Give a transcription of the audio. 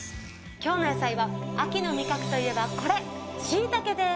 今日の野菜は秋の味覚といえばこれシイタケです。